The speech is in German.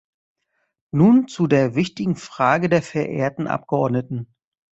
Nun zu der wichtigen Frage der verehrten Abgeordneten.